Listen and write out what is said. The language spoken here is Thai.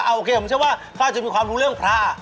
โอเคผมเชื่อว่าพระจะมีความรู้เรื่องพระ